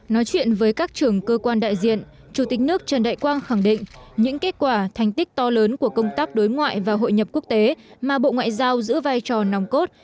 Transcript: nói chuyện với các trưởng cơ quan đại diện chủ tịch nước trần đại quang khẳng định những kết quả thành tích to lớn của công tác đối ngoại và hội nhập quốc tế mà bộ ngoại giao giữ vai trò nòng cốt